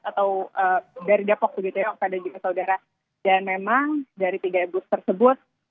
atau dari depok begitu ya pada jika saudara dan memang dari tiga booth tersebut